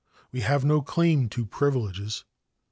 We have no claim to privileges.